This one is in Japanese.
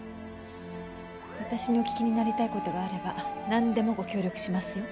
私にお聞きになりたい事があればなんでもご協力しますよ。